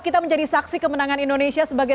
kita menjadi saksi kemenangan indonesia sebagai